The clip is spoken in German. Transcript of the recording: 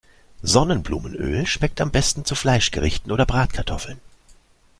Sonnenblumenöl schmeckt am besten zu Fleischgerichten oder Bratkartoffeln.